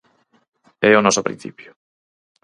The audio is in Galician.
É o noso principio.